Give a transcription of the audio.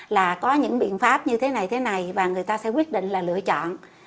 là có những biện pháp như thế này thế này và người ta sẽ quyết định là lựa chọn